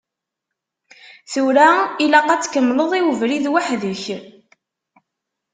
Tura ilaq ad tkemmleḍ i ubrid weḥd-k.